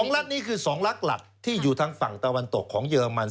รัฐนี้คือ๒ลักษณ์หลักที่อยู่ทางฝั่งตะวันตกของเยอรมัน